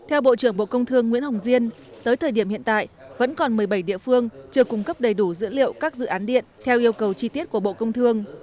theo bộ trưởng bộ công thương nguyễn hồng diên tới thời điểm hiện tại vẫn còn một mươi bảy địa phương chưa cung cấp đầy đủ dữ liệu các dự án điện theo yêu cầu chi tiết của bộ công thương